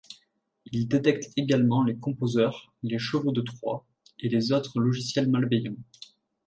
Il détecte également les composeurs, les chevaux de Troie et les autres logiciels malveillants.